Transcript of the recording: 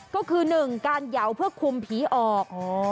ก็คือ๑การเหยาเพื่อคุมผีออก